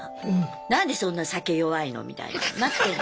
何でそんな酒弱いのみたいになってんの。